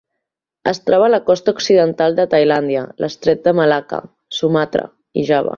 Es troba a la costa occidental de Tailàndia, l'Estret de Malacca, Sumatra i Java.